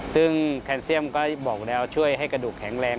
ซึ่งแคนเซียมก็บอกแล้วช่วยให้กระดูกแข็งแรง